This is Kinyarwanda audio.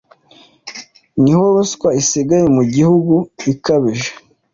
Niho ruswa isigaye mugihugu ikabije